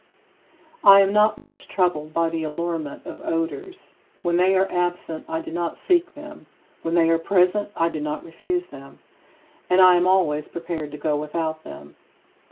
I am not much troubled by the allurement of odors. When they are absent, I do not seek them; when they are present, I do not refuse them; and I am always prepared to go without them.